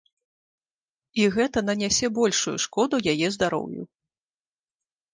І гэта нанясе большую шкоду яе здароўю.